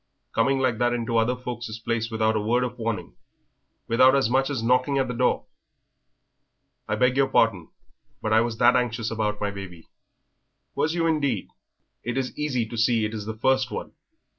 "Coming like that into other folk's places without a word of warning without as much as knocking at the door." "I beg your pardon, but I was that anxious about my baby." "Was you indeed? It is easy to see it is the first one.